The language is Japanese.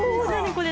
これ。